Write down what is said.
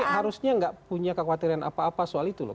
harusnya nggak punya kekhawatiran apa apa soal itu loh